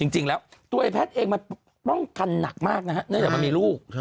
จริงแล้วตัวแพทเองมันป้องกันนักมากนะครับเดี๋ยวมันมีลูก